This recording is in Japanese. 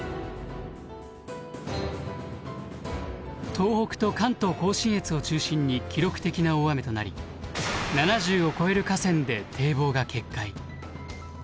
東北と関東甲信越を中心に記録的な大雨となり７０を超える河川で堤防が決壊。